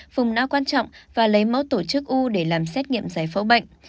phùng não quan trọng và lấy mẫu tổ chức u để làm xét nghiệm giải phẫu bệnh